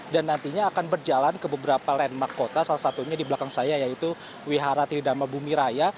dan nantinya akan berjalan ke beberapa landmark kota salah satunya di belakang saya yaitu wihara tidama bumi raya